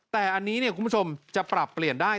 แต่อันนี้คุณผู้ชมจะปรับเปลี่ยนได้